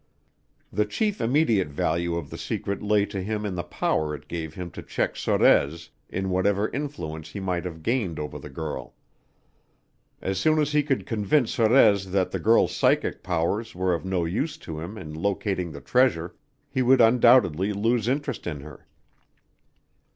The chief immediate value of the secret lay to him in the power it gave him to check Sorez in whatever influence he might have gained over the girl. As soon as he could convince Sorez that the girl's psychic powers were of no use to him in locating the treasure, he would undoubtedly lose interest in her.